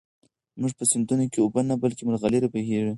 زموږ په سيندونو کې اوبه نه، بلكې ملغلرې بهېږي.